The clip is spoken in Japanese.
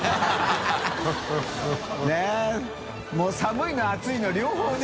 もう寒いの暑いの両方ね。